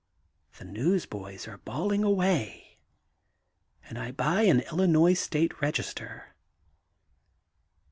The newsboys are bawling away, and I buy an Illinois State Register.